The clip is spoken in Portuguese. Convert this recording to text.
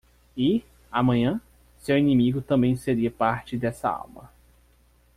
E? amanhã? seu inimigo também seria parte dessa Alma.